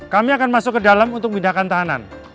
kami akan masuk ke dalam untuk pindahkan tahanan